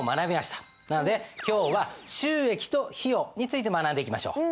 なので今日は収益と費用について学んでいきましょう。